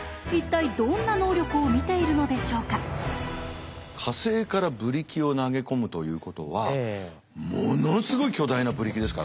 一体火星からブリキを投げ込むということはものすごい巨大なブリキですからね。